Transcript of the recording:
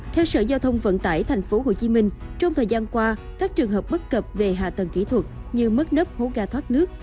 theo sở giao thông vận tải tp hcm trong thời gian qua các trường hợp bất cập về hạ tầng kỹ thuật như mất nấp hố ga thoát nước